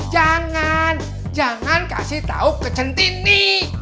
jangan jangan kasih tahu ke centini